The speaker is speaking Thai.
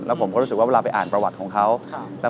แล้วผมก็รู้สึกว่าเวลาไปอ่านประวัติของเขา